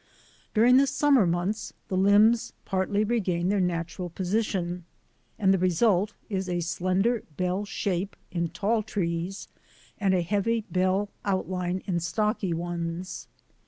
During the summer months the limbs partly regain their natural posi tion, and the result is a slender bell shape in tall trees and a heavy bell outline in stocky ones.